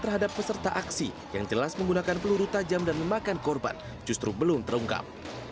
terhadap peserta aksi yang jelas menggunakan peluru tajam dan memakan korban justru belum terungkap